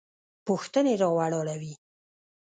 پوښتنې راولاړوي.